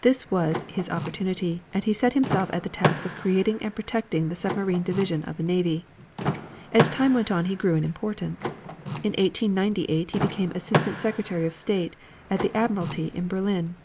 This was his opportunity, and he set himself at the task of creating and protecting the submarine division of the navy. As time went on he grew in importance. In 1898 he became Assistant Secretary of State at the Admiralty in Berlin.